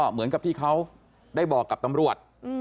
เหมือนกับที่เขาได้บอกกับตำรวจ